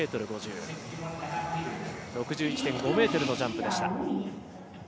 ６１．５ｍのジャンプでした。